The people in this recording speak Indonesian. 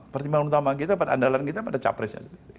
pertimbangan utama kita pada andalan kita pada capresnya